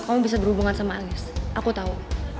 kamu bisa berhubungan sama alias aku tahu